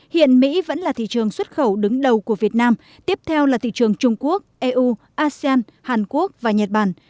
hiện mỹ vẫn là thị trường xuất khẩu đứng đầu của việt nam tiếp theo là thị trường trung quốc eu asean hàn quốc và nhật bản